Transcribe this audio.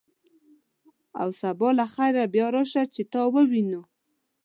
او سبا له خیره بیا راشه، چې تا ووینو.